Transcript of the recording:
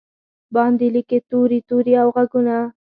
باندې لیکې توري، توري او ږغونه